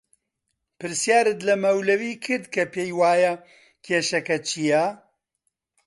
پرسیارت لە مەولەوی کرد کە پێی وایە کێشەکە چییە؟